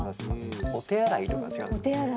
お手洗いとか違うんですかね。